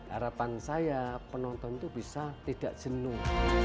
harapan saya penonton itu bisa tidak jenuh